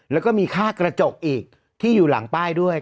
แล้วก็มีค่ากระจกอีกที่อยู่หลังป้ายด้วย